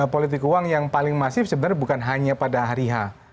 politik uang yang paling masif sebenarnya bukan hanya pada hari h